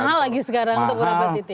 mahal lagi sekarang untuk beberapa titik